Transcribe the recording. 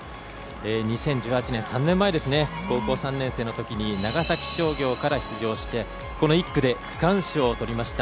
２０１８年、３年前高校３年生のとき長崎商業から出場して１区で区間賞をとりました。